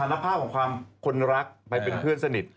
รับภาพของความคนรักไปเป็นเพื่อนสนิท